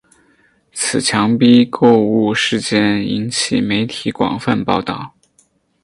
此强逼购物事件引起媒体广泛报道。